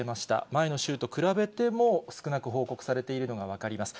前の週と比べても、少なく報告されているのが分かります。